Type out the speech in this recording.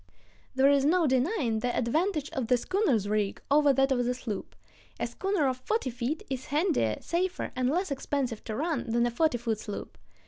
There is no denying the advantage of the schooner's rig over that of the sloop. A schooner of forty feet is handier, safer, and less expensive to run than a forty foot sloop.